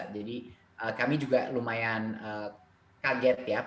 jadi kami juga lumayan kaget ya